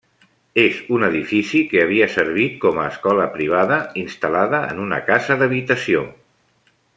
És un edifici que havia servit com a escola privada, instal·lada en una casa d'habitació.